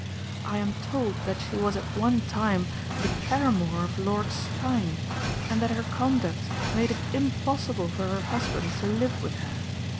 I am told that she was at one time the paramour of Lord Steyne, and that her conduct made it impossible for her husband to live with her.